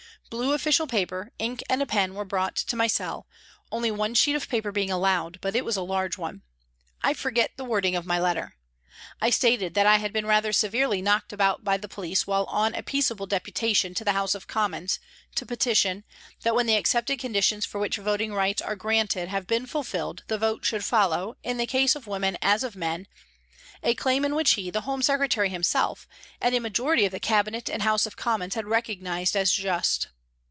Blue A TRACK TO THE WATER'S EDGE " 143 official paper, ink and a pen were brought to my cell, only one sheet of paper being allowed, but it was a large one. I forget the wording of my letter. I stated that I had been rather severely knocked about by the police while on a peaceable Deputation to the House of Commons to petition that, when the accepted conditions for which voting rights are granted have been fulfilled the vote should follow, in the case of women as of men, a claim which he, the Home Secretary himself, and a majority of the Cabinet and House of Commons had recognised as just.